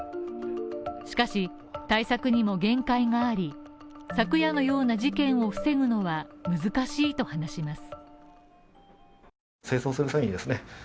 しかし、対策にも限界があり、昨夜のような事件を防ぐのは難しいと話します。